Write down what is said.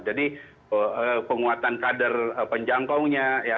jadi penguatan kader penjangkauannya ya